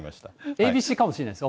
ＡＢＣかもしれないです。